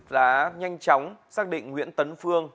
đã nhanh chóng xác định nguyễn tấn phương